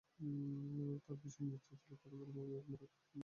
তাঁর ভীষণ ইচ্ছে ছিল, প্রথম অ্যালবামের মোড়ক খুলবেন তাঁর শ্রদ্ধেয় আনিস স্যার।